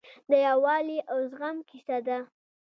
د یووالي او زغم کیسه ده.